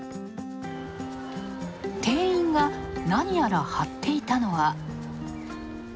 店員が何やら貼っていたのは。